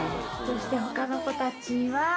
そして他の子たちは。